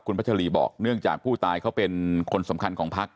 พัชรีบอกเนื่องจากผู้ตายเขาเป็นคนสำคัญของพัก